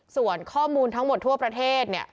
ส่วนข้อมูลทั้งหมดทั่วประเทศเนี่ย